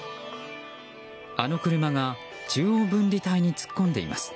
あの車が中央分離帯に突っ込んでいます。